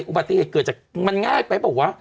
อุบัติเหตุเกิดจากมันง่ายไปเปล่าวะ